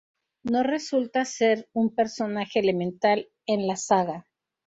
No resulta ser un personaje elemental en la saga.